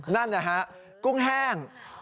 นั่นนะฮะกุ้งแห้ง